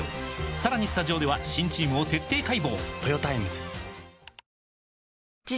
さらにスタジオでは新チームを徹底解剖！